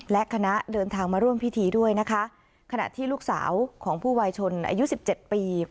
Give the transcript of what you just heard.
และคณะเดินทางมาร่วมพิธีด้วยนะคะขณะที่ลูกสาวของผู้วายชนอายุสิบเจ็ดปี